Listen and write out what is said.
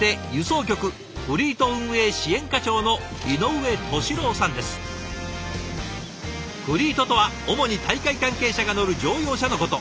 改めましてフリートとは主に大会関係者が乗る乗用車のこと。